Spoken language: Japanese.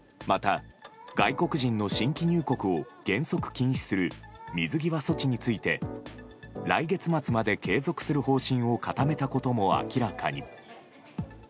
また、外国人の新規入国を原則禁止する水際措置について来月末まで継続する方針を固めたことも明らかに。